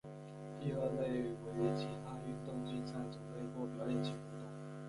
第二类为其他运动竞赛种类或表演性活动。